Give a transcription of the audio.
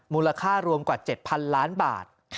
มูลค่ารวมกว่า๗๐๐ล้านบาท